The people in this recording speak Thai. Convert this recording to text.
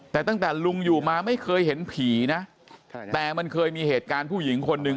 แต่ตั้งแต่ลุงอยู่มาไม่เคยเห็นผีนะแต่มันเคยมีเหตุการณ์ผู้หญิงคนหนึ่ง